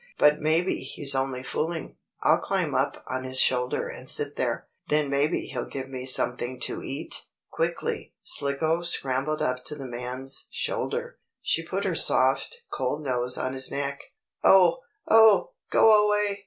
"But maybe he's only fooling. I'll climb up on his shoulder and sit there. Then maybe he'll give me something to eat." Quickly Slicko scrambled up to the man's shoulder. She put her soft, cold nose on his neck. "Oh! Oh! Go away!